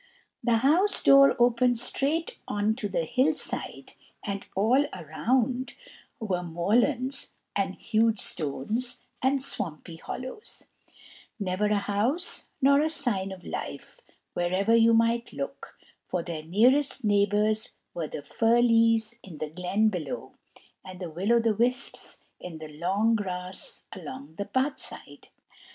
The house door opened straight on to the hill side and all round about were moorlands and huge stones, and swampy hollows; never a house nor a sign of life wherever you might look, for their nearest neighbours were the "ferlies" in the glen below, and the "will o' the wisps" in the long grass along the pathside.